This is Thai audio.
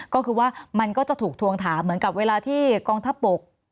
ก็คือว่ามันก็จะถูกทวงถามเหมือนกับเวลาที่กองทัพบก